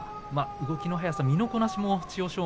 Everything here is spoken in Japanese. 動きの速さ、身のこなしも千代翔